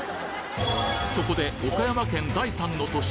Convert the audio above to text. そこで岡山県第３の都市